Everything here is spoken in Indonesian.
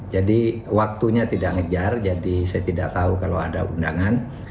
jadi waktunya tidak ngejar jadi saya tidak tahu kalau ada undangan